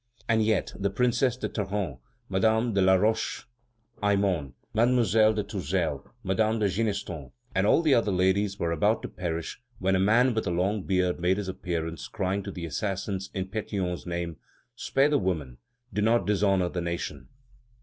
And yet, the Princess de Tarente, Madame de La Roche Aymon, Mademoiselle de Tourzel, Madame de Ginestons, and all the other ladies were about to perish when a man with a long beard made his appearance, crying to the assassins in Pétion's name: "Spare the women; do not dishonor the nation."